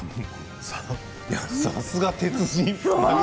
さすが鉄人。